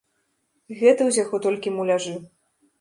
Гэта ўсяго толькі муляжы.